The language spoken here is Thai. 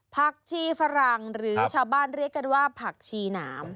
ผักชีฝรั่งหรือชาวบ้านเรียกกันว่าผักชีหนาม